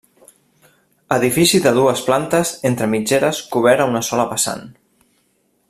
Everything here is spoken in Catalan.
Edifici de dues plantes entre mitgeres cobert a una sola vessant.